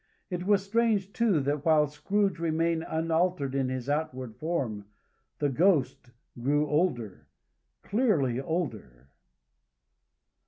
It was strange, too, that while Scrooge remained unaltered in his outward form, the Ghost grew older, clearly older!